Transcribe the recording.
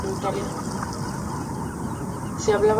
Se hablaban en Italia.